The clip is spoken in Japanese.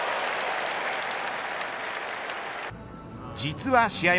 実は試合